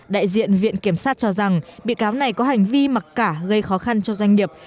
đại diện viện kiểm sát cho rằng bị cáo này có hành vi mặc cả gây khó khăn cho doanh nghiệp